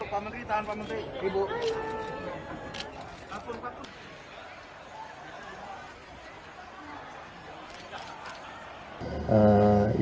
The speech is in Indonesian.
pak menteri tahan pak menteri ibu